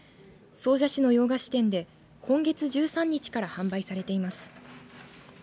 総社市の洋菓子店で今月１３日から販売されています。